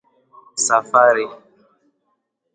Safari